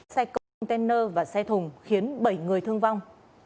xe container và xe thùng khiến bảy người thương vong